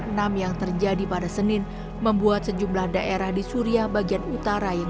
perawatan tujuh delapan dan tujuh enam yang terjadi pada senin membuat sejumlah daerah di suria bagian utara yang